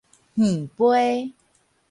耳桮